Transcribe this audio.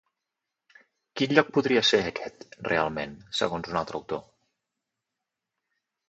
Quin lloc podria ser aquest realment, segons un altre autor?